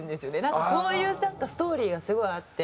なんかそういうストーリーがすごいあって。